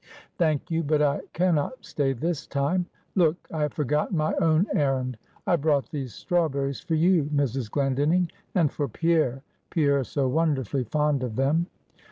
"Thank you; but I can not stay this time. Look, I have forgotten my own errand; I brought these strawberries for you, Mrs. Glendinning, and for Pierre; Pierre is so wonderfully fond of them."